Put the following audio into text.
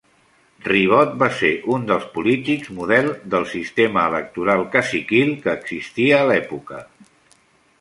Ribot va ser uns dels polítics model del sistema electoral caciquil que existia a l'època.